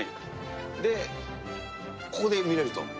で、ここで見れると？